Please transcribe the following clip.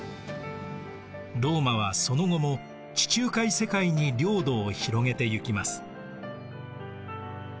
ローマはその後も地中海世界に領土を広げていきます。